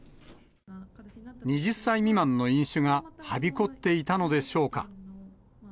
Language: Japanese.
２０歳未満の飲酒がはびこっていたのでしょうか。